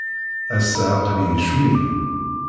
Ass-a, aql-iyi ccwi.